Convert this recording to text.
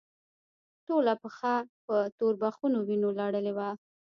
ټوله پښه په توربخونو وينو لړلې وه.